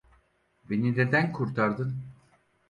Beni neden kurtardın?